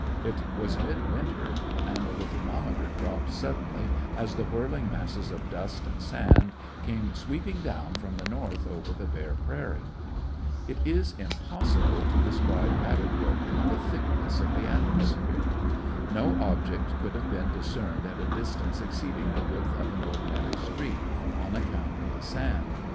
It was mid winter, and the thermometer dropped sud denly as the whirling masses of dust and sand came sweeping down from the north over the bare prairie. It is impossible to describe adequately the 92 ^issionarY in i^e Great West thickness of tlie atmosphere. No object could hBiVG been discerned at a distance exceeding the width of an ordinary street, on account of the sand.